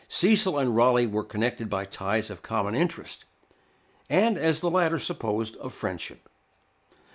Cecil and Raleigh were connected by ties of common interest, and, as the latter supposed, of friendship.